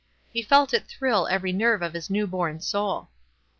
He felt it thrill every nerve of his new born soul.